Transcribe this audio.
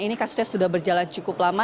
ini kasusnya sudah berjalan cukup lama